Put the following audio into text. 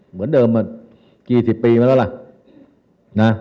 เหมือนเดิมมากี่สิบปีมาแล้วล่ะนะ